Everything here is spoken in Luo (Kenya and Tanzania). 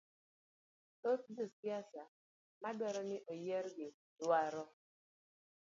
Thoth josiasa madwaro ni oyiergi, dwaro